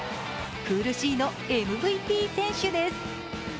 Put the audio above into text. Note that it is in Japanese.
プールＣのＭＶＰ選手です。